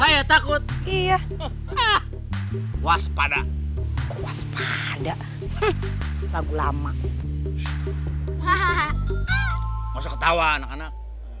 saya takut iya ah waspada waspada lagu lama hahaha nggak usah ketawa anak anak